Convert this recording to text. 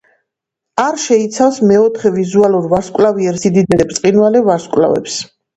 არ შეიცავს მეოთხე ვიზუალურ ვარსკვლავიერ სიდიდეზე ბრწყინვალე ვარსკვლავებს.